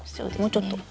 もうちょっと？